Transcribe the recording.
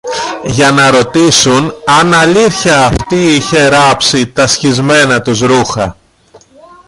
για να ρωτήσουν αν αλήθεια αυτή είχε ράψει τα σχισμένα τους ρούχα